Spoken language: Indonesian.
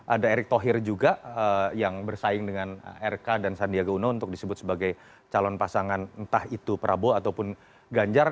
ada erick thohir juga yang bersaing dengan rk dan sandiaga uno untuk disebut sebagai calon pasangan entah itu prabowo ataupun ganjar